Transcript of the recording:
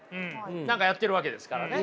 何かをやっているわけですからね。